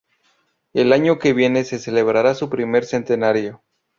El año que viene se celebrará su primer centenario.